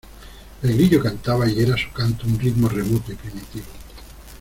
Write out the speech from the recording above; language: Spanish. el grillo cantaba, y era su canto un ritmo remoto y primitivo.